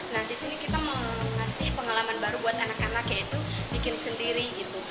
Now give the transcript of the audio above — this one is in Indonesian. nah di sini kita mau ngasih pengalaman baru buat anak anak yaitu bikin sendiri gitu